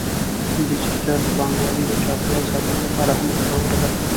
ډیجیټل بانکوالي د چاپیریال ساتنې لپاره هم ګټوره ده.